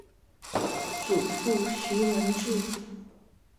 祖父徐文质。